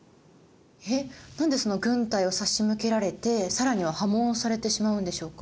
えっ何で軍隊を差し向けられて更には破門されてしまうんでしょうか。